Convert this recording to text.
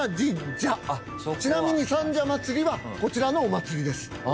ちなみに三社祭はこちらのお祭りです。